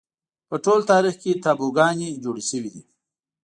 په ټول تاریخ کې تابوگانې جوړې شوې دي